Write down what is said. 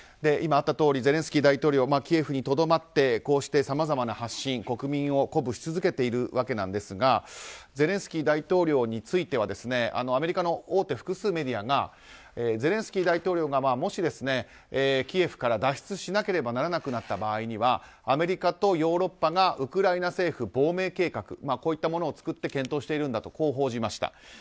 今、あったとおりゼレンスキー大統領はキエフにとどまってこうしてさまざまな発信、国民を鼓舞し続けているわけですがゼレンスキー大統領についてはアメリカの大手複数メディアがゼレンスキー大統領がもしキエフから脱出しなければならなくなった場合にはアメリカとヨーロッパがウクライナ政府亡命計画こういったものを作って検討しているんだと報じました。